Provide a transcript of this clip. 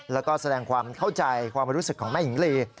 แล้วก็แสดงความเข้าใจความรู้สึกของแม่หญิงลี